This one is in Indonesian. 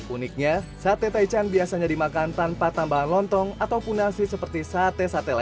uniknya sate taichan biasanya dimakan tanpa tambahan lontong ataupun nasi seperti sate sate lainnya